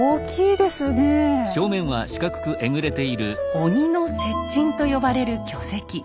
「鬼の雪隠」と呼ばれる巨石。